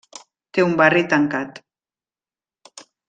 Té un barri tancat.